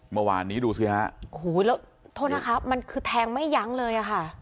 เมื่อวานนี้ดูสิฮะโอ้โหแล้วโทษนะคะมันคือแทงไม่ยั้งเลยอะค่ะ